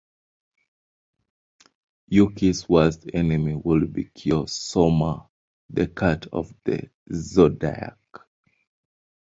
Yuki's worst enemy would be Kyo Sohma, the cat of the zodiac.